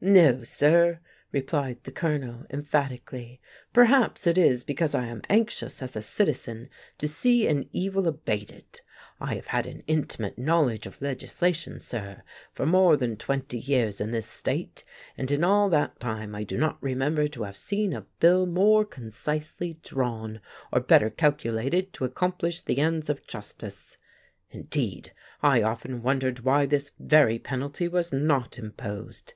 "No, sir," replied the Colonel, emphatically. "Perhaps it is because I am anxious, as a citizen, to see an evil abated. I have had an intimate knowledge of legislation, sir, for more than twenty years in this state, and in all that time I do not remember to have seen a bill more concisely drawn, or better calculated to accomplish the ends of justice. Indeed, I often wondered why this very penalty was not imposed.